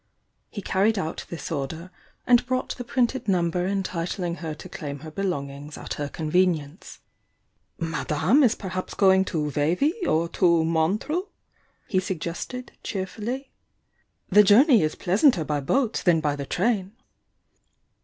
He carried out this order, and brought the printed number entitling her to claim her belongings at her convenience. "Madame is perhaps going to Vevy or to Mon treux?" he suggested, cheerfully. "The journey is Dleasanter by boat than by the train."